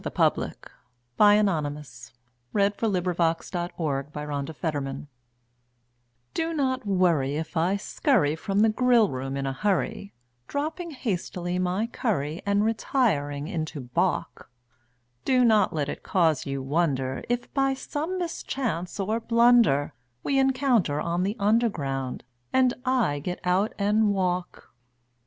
182 SUCH NONSENSE! CUPID'S DARTS (Which are a growing menace to the public) Do not worry if I scurry from the grill room in a hurry, Dropping hastily my curry and re tiring into balk ; Do not let it cause you wonder if, by some mischance or blunder, We encounter on the Underground and I get out and walk.